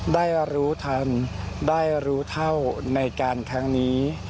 ได้รู้ทันได้รู้เท่าในการครั้งนี้